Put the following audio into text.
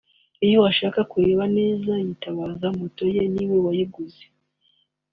Iyo ashaka kureba neza yitabaza moto ye niwe wayiguze